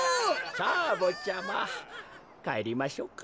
さあぼっちゃまかえりましょうか。